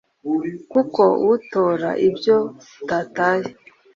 kuko utora ibyo utataye